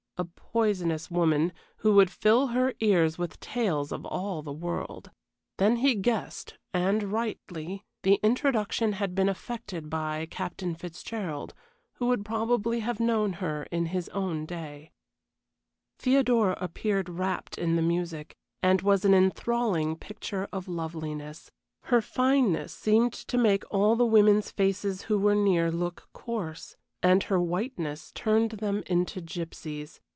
A poisonous woman, who would fill her ears with tales of all the world. Then he guessed, and rightly, the introduction had been effected by Captain Fitzgerald, who would probably have known her in his own day. Theodora appeared wrapped in the music, and was an enthralling picture of loveliness; her fineness seemed to make all the women's faces who were near look coarse, and her whiteness turned them into gypsies.